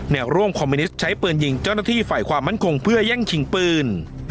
แนวร่วมคอมมิวนิสต์ใช้ปืนยิงเจ้าหน้าที่ฝ่ายความมั่นคงเพื่อแย่งชิงปืน